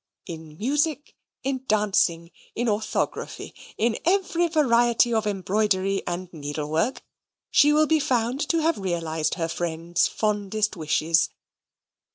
In music, in dancing, in orthography, in every variety of embroidery and needlework, she will be found to have realized her friends' fondest wishes.